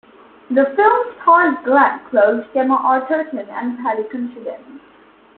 The film stars Glenn Close, Gemma Arterton and Paddy Considine.